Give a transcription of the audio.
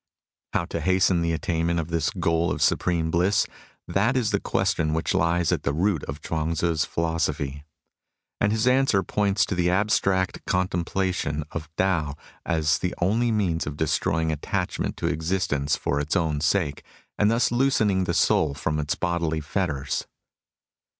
How to hasten the attainment of this goal of supreme bliss — that is the question which lies at the root of Chuang Tzu's philosophy. And his answer points to the abstract contemplation of Tao as the only means of destroying attachment to existence for its own sake, and thus loosening the soul from its bodily fetters.